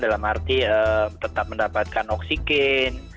dalam arti tetap mendapatkan oksigen